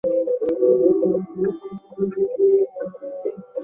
আরে, ওই দিন যে মেয়েটা তোমার ঘরে আসলো।